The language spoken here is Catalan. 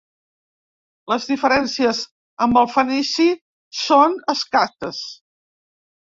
Les diferències amb el fenici són escasses.